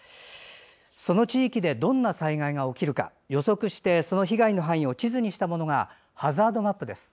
その地域でどんな災害が起きるか予測して、その被害の範囲を地図にしたものがハザードマップです。